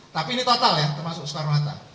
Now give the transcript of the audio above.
tapi ini total ya termasuk soekarno hatta